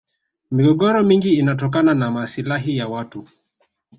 migogoro mingi inatokana na maslahi ya watu